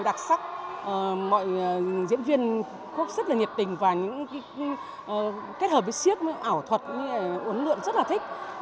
sắc sắc mọi diễn viên khúc rất là nhiệt tình và những cái kết hợp với siếc ảo thuật uấn lượng rất là thích